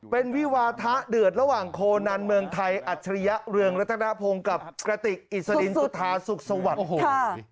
เป็นวิวาทะเดือดระหว่างโคนันเมืองไทยอัจฉริยะเรืองรัตนพงศ์กับกระติกอิสลินสุธาสุขสวัสดิ์ผม